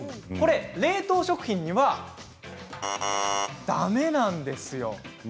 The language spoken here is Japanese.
冷凍食品にはだめなんですよ。